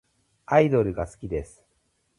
アイドルが好きです。